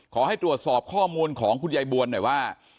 ขอให้ตรวจสอบข้อมูลของคุณแยบวนว่า